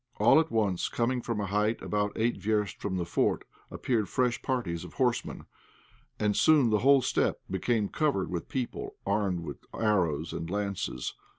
All at once, coming from a height about eight versts from the fort, appeared fresh parties of horsemen, and soon the whole steppe became covered with people, armed with arrows and lances.